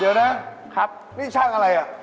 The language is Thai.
เดี๋ยวนะครับนี่ช่างอะไรอ่ะ